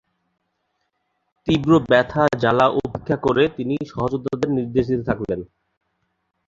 তীব্র ব্যথা-জ্বালা উপেক্ষা করে তিনি সহযোদ্ধাদের নির্দেশ দিতে থাকলেন।